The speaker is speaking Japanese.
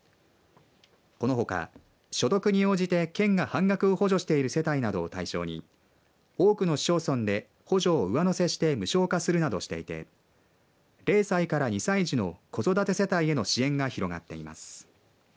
このほか所得に応じて県が半額を補助している世帯などを対象に多くの市町村で補助を上乗せして無償化するなどしていて０歳から２歳児の子育て世帯への支援が広がっています。